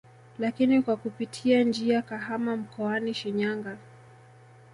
Lakini kwa kupitia njia Kahama mkoani Shinyanaga